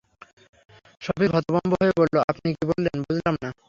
সফিক হতভম্ব হয়ে বলল, আপনি কী বললেন, বুঝলাম না।